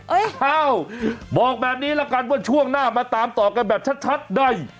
เอ้าบอกแบบนี้ละกันว่าช่วงหน้ามาตามต่อกันแบบชัดได้